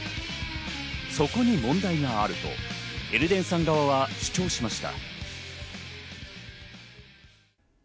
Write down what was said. そこに問題があるとエルデンさん側は主張しました。